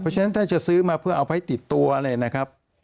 เพราะฉะนั้นถ้าจะซื้อมาเพื่อเอาไปติดตัวอะไรนะครับ